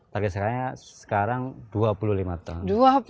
target saya sekarang dua puluh lima ton